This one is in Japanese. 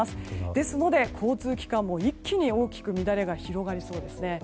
ですので、交通機関も一気に大きく乱れが広がりそうです。